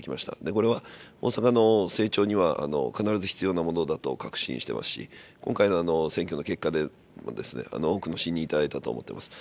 これは大阪の成長には必ず必要なものだと確信してますし、今回の選挙の結果でもですね、多くの信任をいただいたと思っています。